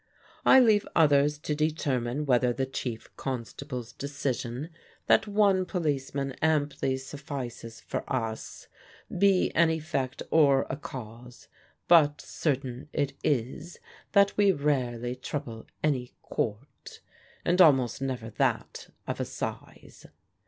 I leave others to determine whether the Chief Constable's decision, that one policeman amply suffices for us, be an effect or a cause, but certain it is that we rarely trouble any court, and almost never that of Assize.